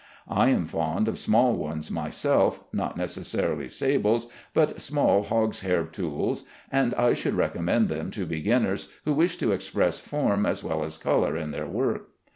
I am fond of small ones myself, not necessarily sables, but small hog's hair tools, and I should recommend them to beginners, who wish to express form as well as color in their work.